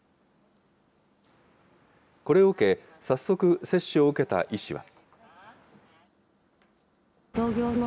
これを受け、早速、接種を受けた医師は。